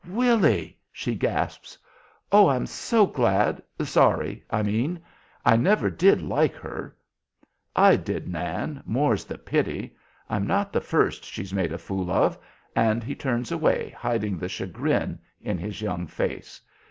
"Willy!" she gasps. "Oh! I'm so glad sorry, I mean! I never did like her." "I did, Nan, more's the pity. I'm not the first she's made a fool of;" and he turns away, hiding the chagrin in his young face.